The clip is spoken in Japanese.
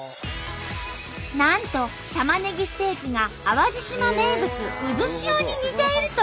なんとたまねぎステーキが淡路島名物「渦潮」に似ていると話題に。